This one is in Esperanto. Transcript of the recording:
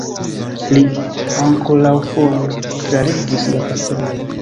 Li ankoraŭfoje tralegis la paperon.